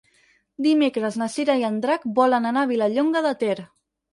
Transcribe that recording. Dimecres na Cira i en Drac volen anar a Vilallonga de Ter.